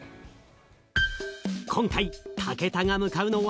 今回、武田が向かうのは。